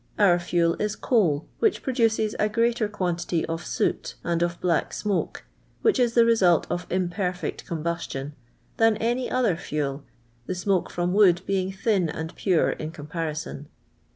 Our fuel is coul, which produces a grt^iitcr quantity of soot, and of black smoke, which is tiie result of imperfect combustion, than any other fuel, the smoke from wood being thin and pure in comparison.